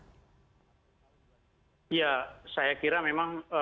ya saya kira memang